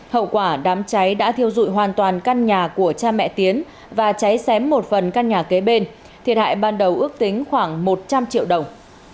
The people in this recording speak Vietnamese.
hậu quả đám cháy đã thiêu dụi hoàn toàn căn nhà của cha mẹ tiến và cháy xém một phần căn nhà kế bên thiệt hại ban đầu ước tính khoảng một trăm linh triệu đồng